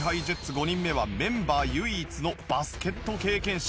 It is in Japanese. ５人目はメンバー唯一のバスケット経験者猪狩蒼弥。